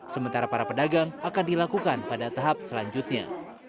sementara para pedagang akan dilakukan pada tahap selanjutnya